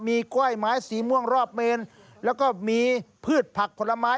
มีกล้วยไม้สีม่วงรอบเมนแล้วก็มีพืชผักผลไม้